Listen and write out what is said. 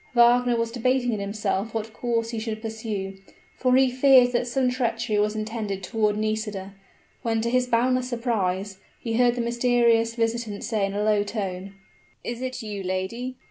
Wagner was debating in himself what course he should pursue for he feared that some treachery was intended toward Nisida when to his boundless surprise, he heard the mysterious visitant say in a low tone. "Is it you, lady?"